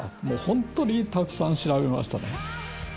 もうホントにたくさん調べましたね。